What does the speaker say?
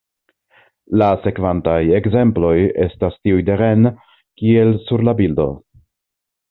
La sekvantaj ekzemploj estas tiuj de Rennes, kiel sur la bildo.